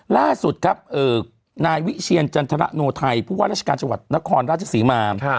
ล่าสุดครับนายวิเชียร์จันรนโทชน์ไทยพวกมันรัชกาลจังหวัดนครราชสีมาธุ์ค่ะ